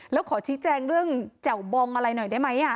แล้วขอชี้แจงเรื่องแจ่วบองอะไรหน่อยได้ไหม